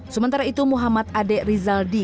sementara itu muhammad adek rizaldi